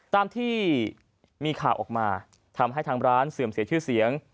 ตามที่มีข่าวออกมาทำให้ทางร้านเสื่อมเสียชื่อเสียง